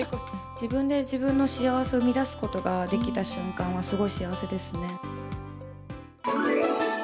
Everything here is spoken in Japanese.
自分で自分の幸せを生み出すことができた瞬間は、すごい幸せですね。